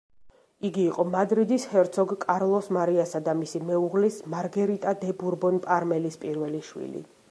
იგი იყო მადრიდის ჰერცოგ კარლოს მარიასა და მისი მეუღლის, მარგერიტა დე ბურბონ-პარმელის პირველი შვილი.